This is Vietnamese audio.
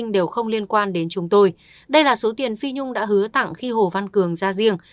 đây là số tiền phi nhung đã hứa tặng khi hồ văn cường ra riêng